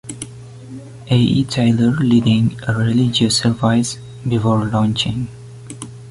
A. E. Taylor leading a religious service before launching.